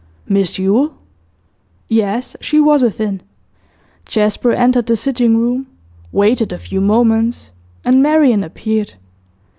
'Miss Yule?' Yes, she was within. Jasper entered the sitting room, waited a few moments, and Marian appeared.